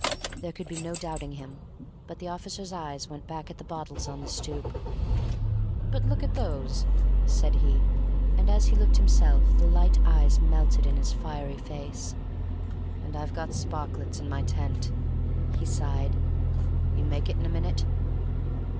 There could be no doubting him; but the officer's eyes went back at the bottles on the stoop. "But look at those," said he; and as he looked himself the light eye melted in his fiery face. "And I've got Sparklets in my tent," he sighed. "You make it in a minute!"